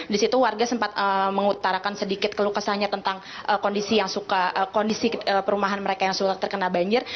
di situ warga sempat mengutarakan sedikit kelukasannya tentang kondisi perumahan mereka yang terkena banjir